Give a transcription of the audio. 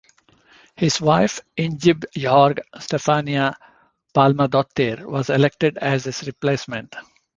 His wife Ingibjorg Stefania Palmadottir was elected as his replacement.